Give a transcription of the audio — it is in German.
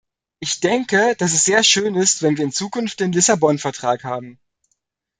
Ich denke, dass es sehr schön ist, wenn wir in Zukunft den Lissabon-Vertrag haben.